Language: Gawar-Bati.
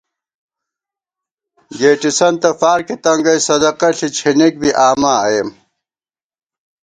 گېٹسَنتہ فارکے تنگَئ صدقہ ݪی ، چھېنېک بی آمہ آئېم